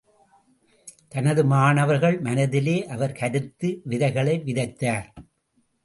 தனது மாணவர்கள் மனதிலே அவர் கருத்து விதைகளை விதைத்தார்.